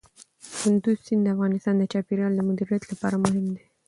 کندز سیند د افغانستان د چاپیریال د مدیریت لپاره مهم دي.